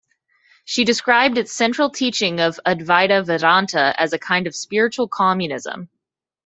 She described its central teaching of Advaita Vedanta as a kind of spiritual communism.